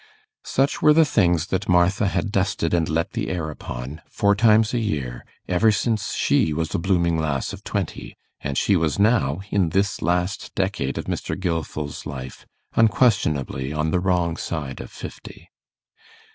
Such were the things that Martha had dusted and let the air upon, four times a year, ever since she was a blooming lass of twenty; and she was now, in this last decade of Mr. Gilfil's life, unquestionably on the wrong side of fifty.